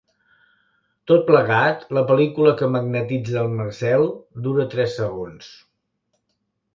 Tot plegat la pel·lícula que magnetitza el Marcel dura tres segons.